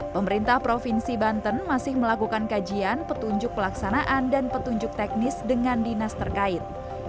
pemerintah provinsi banten masih melakukan kajian petunjuk pelaksanaan dan petunjuk teknis dengan dinas terkait